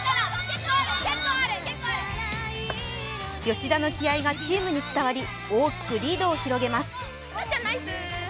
吉田の気合いがチームに伝わり大きくリードを広げます。